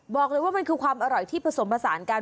บอกเลยว่ามันคือความอร่อยที่ผสมผสานกัน